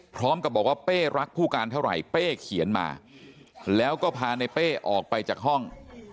พร้อมกับบอกว่าเป้รักผู้การเท่าไหร่เป้เขียนมาแล้วก็พาในเป้ออกไปจากห้อง